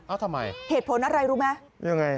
ทำไมเหตุผลอะไรรู้ไหมยังไง